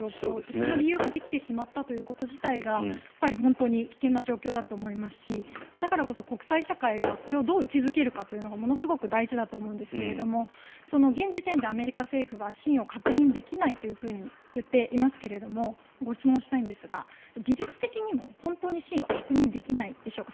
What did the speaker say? その理由ができてしまったこと自体が危険な状況だと思いますしだからこそ国際社会がこれをどう位置付けるかがものすごく大事だと思うんですが現時点でアメリカ政府は真偽を確認できないというふうに言っていますけれどもご質問したいんですが技術的にも本当に真偽は確認できないんでしょうか？